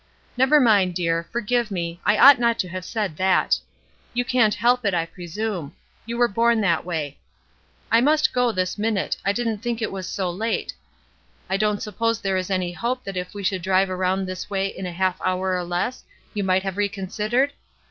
Never mind, dear, forgive me, I ought not to have said that. You can't help it, I presume; you were born that way. I must go this minute; I didn't think it was so late. I don't suppose there is any hope that if we should drive around this way in a half hour or less, you might have reconsidered?